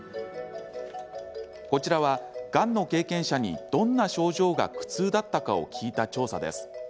こちらは、がんの経験者にどんな症状が苦痛だったかを聞いた調査です。